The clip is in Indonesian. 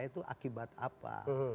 itu akibat apa